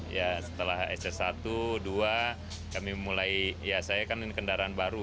ya setelah ss satu dua kami mulai ya saya kan ini kendaraan baru